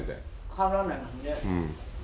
変わらないもんね。